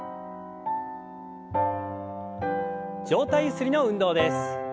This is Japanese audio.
上体ゆすりの運動です。